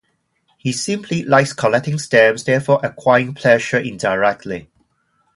He simply likes collecting stamps, therefore acquiring pleasure indirectly.